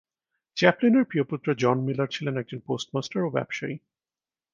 চ্যাপলিনের প্রিয় পুত্র জন মিলার ছিলেন একজন পোস্টমাস্টার ও ব্যবসায়ী।